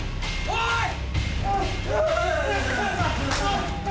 おい！